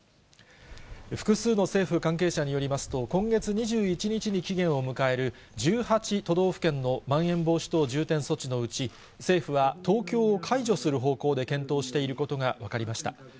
複数の政府関係者によりますと、今月２１日に期限を迎える、１８都道府県のまん延防止等重点措置のうち、政府は東京を解除する方向で検討していることが分かりました。